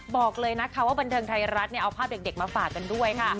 บอกเลยนะคะว่าบันเทิงไทยรัฐเอาภาพเด็กมาฝากกันด้วยค่ะ